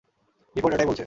Report এটাই বলছে।